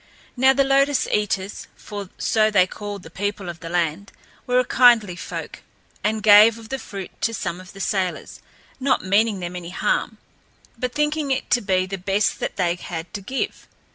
Now the Lotus eaters, for so they call the people of the land, were a kindly folk and gave of the fruit to some of the sailors, not meaning them any harm, but thinking it to be the best that they had to give.